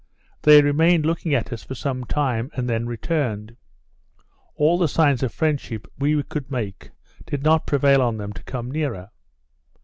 They remained looking at us for some time, and then returned; all the signs of friendship we could make did not prevail on them to come nearer.